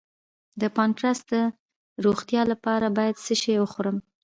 د پانکراس د روغتیا لپاره باید څه شی وخورم؟